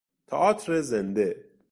تئاتر زنده